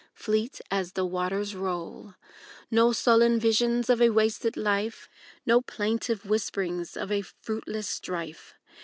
Fleet as the waters roll. No sullen visions of a wasted life, No plaintive whisperings of a fruitless strife.